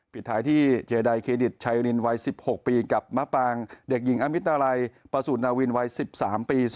ปิดท้ายที่เจใดเครดิตชัยรินวัย๑๖ปีกับมะปางเด็กหญิงอามิตาไลประสูจนนาวินวัย๑๓ปี